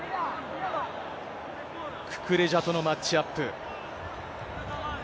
ククレジャとのマッチアップ。